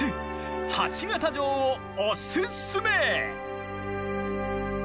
鉢形城をおすすめ！